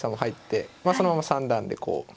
そのまま三段でこう。